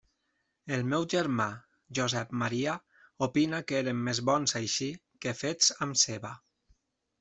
El meu germà Josep Maria opina que eren més bons així que fets amb ceba.